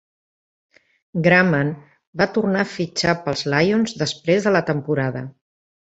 Graman va tornar a fitxar pels Lions després de la temporada.